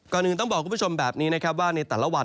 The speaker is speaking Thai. ก่อนอื่นต้องบอกคุณผู้ชมแบบนี้นะครับว่าในแต่ละวัน